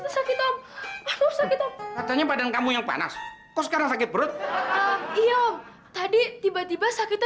sakit om katanya badan kamu yang panas kok sekarang sakit perut tadi tiba tiba sakitnya